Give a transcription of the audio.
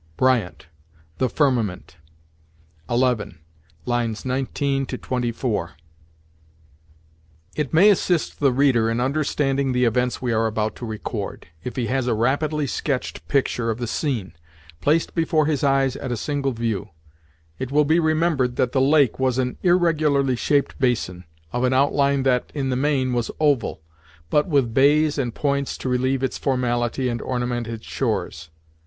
Bryant, "The Firmament," 11.19 24 It may assist the reader in understanding the events we are about to record, if he has a rapidly sketched picture of the scene, placed before his eyes at a single view. It will be remembered that the lake was an irregularly shaped basin, of an outline that, in the main, was oval, but with bays and points to relieve its formality and ornament its shores.